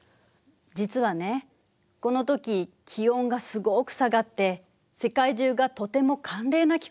実はねこのとき気温がすごく下がって世界中がとても寒冷な気候になったの。